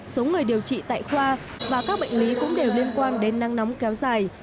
số người điều trị tại khoa và các bệnh lý cũng đều liên quan đến năng nóng kéo dài